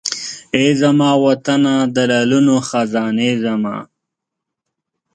ای زما وطنه د لعلونو خزانې زما!